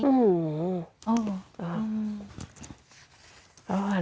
อื้ออื้อ